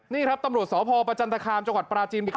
นี่ครับตำรวจสพประจันตคามจังหวัดปราจีนบุรี